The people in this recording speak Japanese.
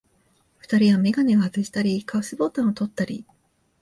二人はめがねをはずしたり、カフスボタンをとったり、